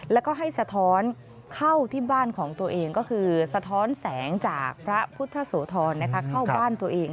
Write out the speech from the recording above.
แล้วก็ให้สะท้อนเข้าที่บ้านของตัวเองก็คือสะท้อนแสงจากพระพุทธโสธรเข้าบ้านตัวเอง